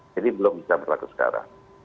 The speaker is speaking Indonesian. jadi belum bisa berlaku sekarang